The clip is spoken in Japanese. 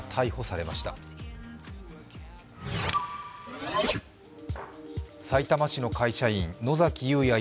さいたま市の会社員野崎祐也